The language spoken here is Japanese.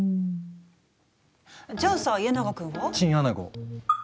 じゃあさ家長君は？チンアナゴ！